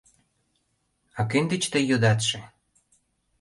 — А кӧн деч тый йодатше?